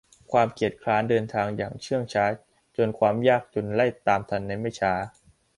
ความเกียจคร้านเดินทางอย่างเชื่องช้าจนความยากจนไล่ตามทันในไม่ช้า